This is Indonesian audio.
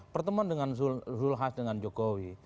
perteman dengan zul has dengan jokowi